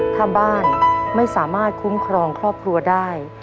ถ้าบ้านไม่สามารถคุ้มครองครอบครัวได้